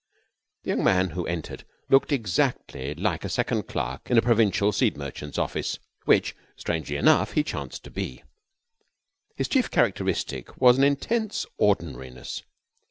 The young man who entered looked exactly like a second clerk in a provincial seed merchant's office which, strangely enough, he chanced to be. His chief characteristic was an intense ordinariness.